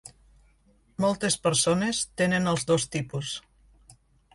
Moltes persones tenen els dos tipus.